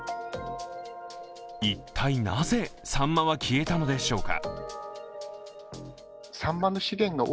一体なぜ、さんまは消えたのでしょうか。